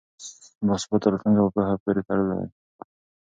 باثباته راتلونکی په پوهه پورې تړلی دی.